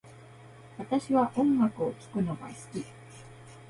私は音楽を聴くのが好き